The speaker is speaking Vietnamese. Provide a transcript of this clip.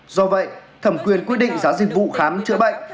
do vậy thẩm quyền quyết định giá dịch vụ khám chữa bệnh